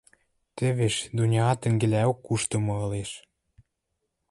Тӹвеш, Дуняат тӹнгелӓок куштымы ылеш.